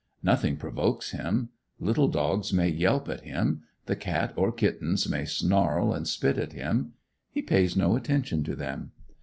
Nothing provokes him. Little dogs may yelp at him, the cat or kittens may snarl and spit at him: he pays no attention to them.